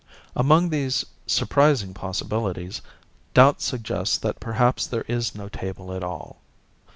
Among these surprising possibilities, doubt suggests that perhaps there is no table at all.